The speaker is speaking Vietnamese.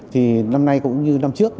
thì năm nay cũng như năm trước